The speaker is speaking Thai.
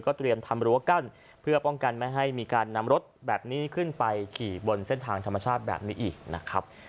เตรียมทำรั้วกั้นเพื่อป้องกันไม่ให้มีการนำรถแบบนี้ขึ้นไปขี่บนเส้นทางธรรมชาติแบบนี้อีกนะครับ